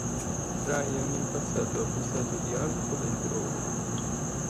Brian in passato ha abusato di alcool e droga.